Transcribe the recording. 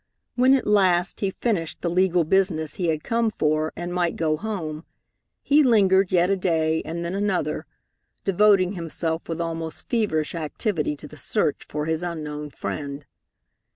When at last he finished the legal business he had come for, and might go home, he lingered yet a day, and then another, devoting himself with almost feverish activity to the search for his unknown friend.